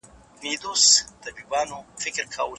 ایا دا لنګۍ ستاسو د سیمې نښه ده؟